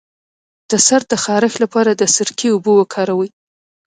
د سر د خارښ لپاره د سرکې اوبه وکاروئ